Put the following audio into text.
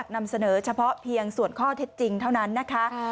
นำเสนอเฉพาะเพียงส่วนข้อเท็จจริงเท่านั้นนะคะ